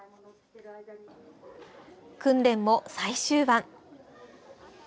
訓練も最終盤。